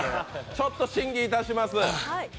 ちょっと審議いたします。